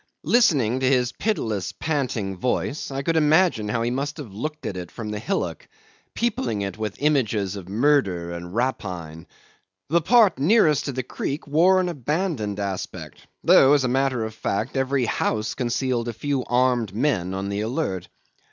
Listening to his pitiless, panting voice, I could imagine how he must have looked at it from the hillock, peopling it with images of murder and rapine. The part nearest to the creek wore an abandoned aspect, though as a matter of fact every house concealed a few armed men on the alert.